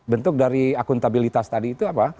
bentuk dari akuntabilitas tadi itu apa